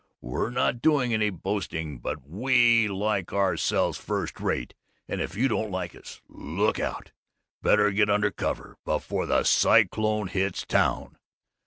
We're not doing any boasting, but we like ourselves first rate, and if you don't like us, look out better get under cover before the cyclone hits town!"